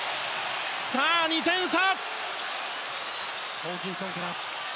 さあ、２点差！